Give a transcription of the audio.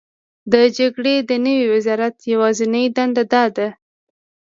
د جګړې د نوي وزرات یوازینۍ دنده دا ده: